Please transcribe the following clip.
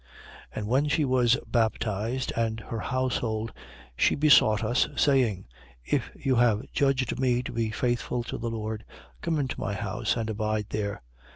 16:15. And when she was baptized, and her household, she besought us, saying: If you have judged me to be faithful to the Lord, come into my house and abide there.